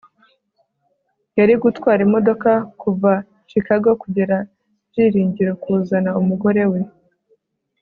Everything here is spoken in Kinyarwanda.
yarigutwara imodoka kuva chicago kugera byiringiro kuzana umugore we